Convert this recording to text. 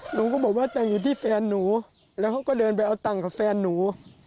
หนูก็บอกว่าแต่อยู่ที่แฟนหนูแล้วเขาก็เดินไปเอาตังค์กับแฟนหนู